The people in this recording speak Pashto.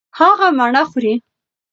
هغه مڼه خوري.